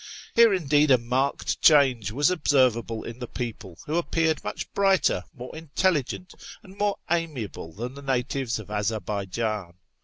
Here, indeed, a marked change was observable in the people, who appeared much brighter, more intelligent, and more amiable than the natives of Azarbaijan.